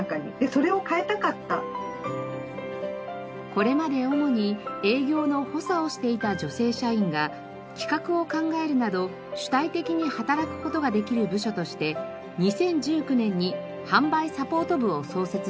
これまで主に営業の補佐をしていた女性社員が企画を考えるなど主体的に働く事ができる部署として２０１９年に販売サポート部を創設しました。